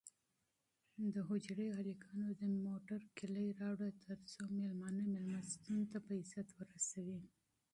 د حجرې هلکانو د موټر کیلي راوړه ترڅو مېلمانه مېلمستون ته په عزت ورسوي.